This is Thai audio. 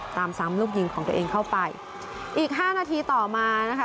ตามซ้ำลูกยิงของตัวเองเข้าไปอีกห้านาทีต่อมานะคะ